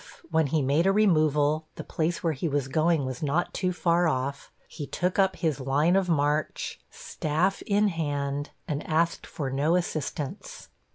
If, when he made a removal, the place where he was going was not too far off, he took up his line of march, staff in hand, and asked for no assistance.